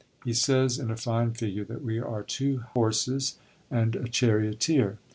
He says, in a fine figure, that we are two horses and a charioteer.